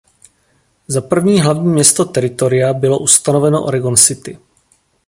Za první hlavní město Teritoria bylo ustanoveno Oregon City.